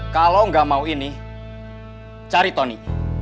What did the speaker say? kalau nggak mau ini cari tony